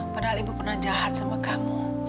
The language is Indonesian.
padahal ibu pernah jahat sama kamu